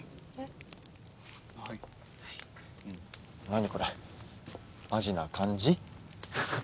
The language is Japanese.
何これマジな感じ？